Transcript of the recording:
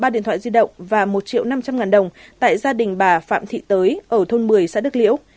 ba điện thoại di động và một triệu năm trăm linh ngàn đồng tại gia đình bà phạm thị tới ở thôn một mươi xã đức liễu